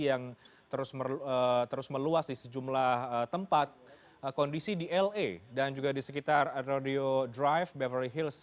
yang terus meluas di sejumlah tempat kondisi di la dan juga di sekitar radio drive bevery hills